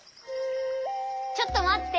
ちょっとまって！